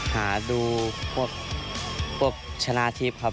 หาดูพวกชนะทิพย์ครับ